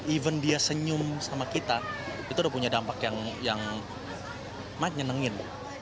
even dia senyum sama kita itu udah punya dampak yang mike nyenengin